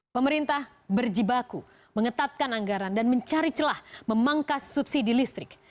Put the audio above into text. pemerintah berjibaku mengetatkan anggaran dan mencari celah memangkas subsidi listrik